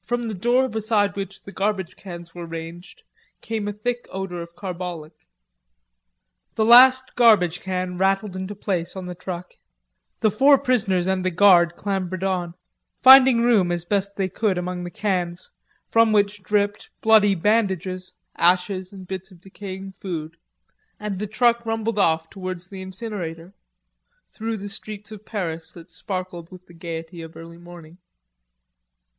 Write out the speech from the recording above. From the door beside which the garbage cans were ranged came a thick odor of carbolic. The last garbage can rattled into place on the truck, the four prisoners and the guard clambered on, finding room as best they could among the cans, from which dripped bloody bandages, ashes, and bits of decaying food, and the truck rumbled off towards the incinerator, through the streets of Paris that sparkled with the gaiety of early morning.